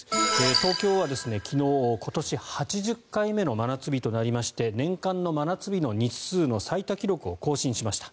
東京は昨日、今年８０回目の真夏日となりまして年間の真夏日の日数の最多記録を更新しました。